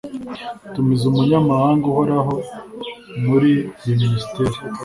tumiza umunyamabanga uhoraho muri buri minisiteri